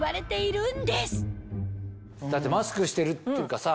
だってマスクしてるっていうかさ。